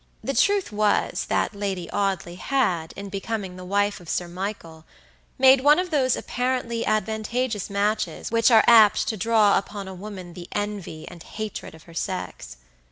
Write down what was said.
The truth was that Lady Audley had, in becoming the wife of Sir Michael, made one of those apparently advantageous matches which are apt to draw upon a woman the envy and hatred of her sex.